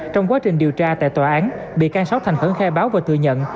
trong quá trình điều tra tại tòa án bị can sáu thành khẩn khai báo và thừa nhận